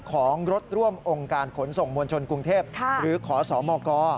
ของรถร่วมองค์การขนส่งมวลชนกรุงเทพหรือขอสมก